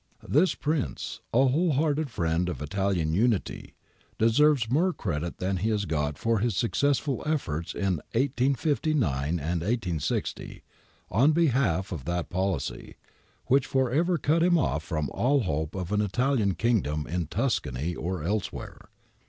^ This prince, a whole hearted friend of Italian unity, deserves more credit than he has got for his suc cessful efforts in 1859 60 on behalf of that policy, which for ever cut him off from all hope of an Italian kingdom in Tuscany or elsewhere.